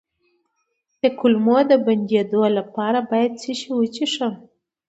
د کولمو د بندیدو لپاره باید څه شی وڅښم؟